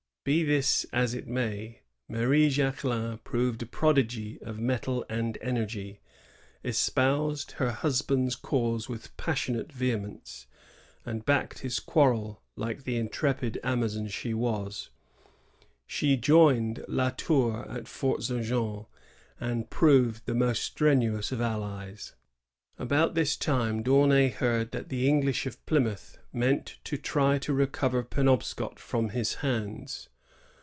Be this as it may, Marie Jacquelin proved a prodigy of mettle and energy, espoused her husband's cause with passionate vehemence, and backed his quarrel like the intrepid Amazon she was. She joined La Tour at Fort St. Jean, and proved the most strenuous of allies. About this time, D'Aunay heard that the English of Plymouth meant to try to recover Penobscot from his hands.